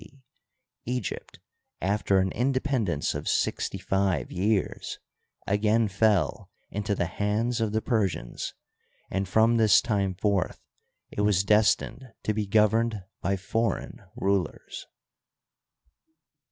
C, Eg3rpt, after an independence of sfxty five years, again fell into the hands of me Persians, and from this time forth it was destined to be governed by foreign rulers.